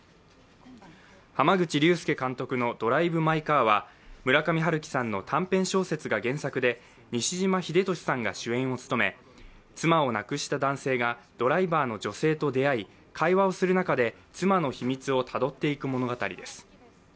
濱口竜介監督の「ドライブ・マイ・カー」は、村上春樹さんの短編小説が原作で西島秀俊さんが主演を務め妻を亡くした男性がドライバーの女性と出会い、会話をする中で妻の秘密をたどっていく物語です。